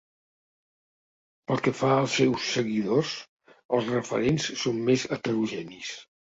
Pel que fa als seus seguidors, els referents són més heterogenis.